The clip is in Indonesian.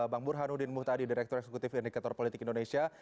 bang burhanuddin muhtadi direktur eksekutif indikator politik indonesia